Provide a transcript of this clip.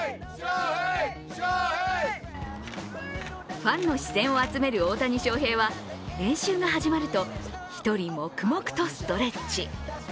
ファンの視線を集める大谷翔平は練習が始まると一人黙々とストレッチ。